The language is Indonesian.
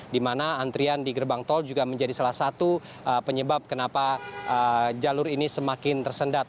di mana antrian di gerbang tol juga menjadi salah satu penyebab kenapa jalur ini semakin tersendat